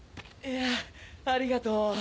いやぁありがとう。